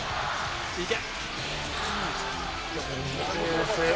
いけ。